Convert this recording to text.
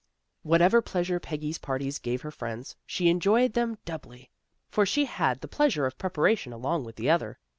Whatever pleasure Peggy's parties gave her friends, she enjoyed them doubly, for she had the pleasure of preparation along with the other.